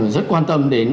rất quan tâm đến